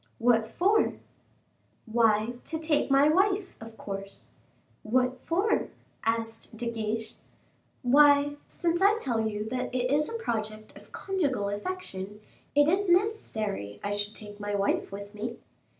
"What for?" "Why, to take my wife, of course." "What for?" asked De Guiche. "Why, since I tell you that it is a project of conjugal affection, it is necessary I should take my wife with me."